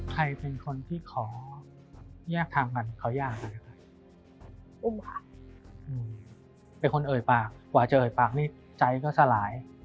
ใครเป็นคนที่ขอแยกทางกันขออยากนะ